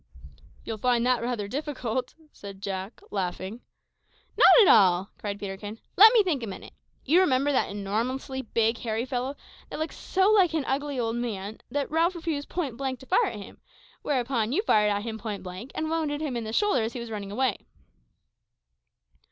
"You'll find that rather difficult," said Jack, laughing. "Not at all," cried Peterkin. "Let me think a minute. You remember that enormously big, hairy fellow, that looked so like an ugly old man that Ralph refused point blank to fire at him, whereupon you fired at him point blank and wounded him in the shoulder as he was running away?"